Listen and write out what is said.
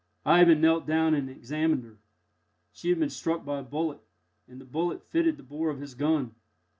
Ivan knelt down and examined her. She had been struck by a bullet, and the bullet fitted the bore of his gun.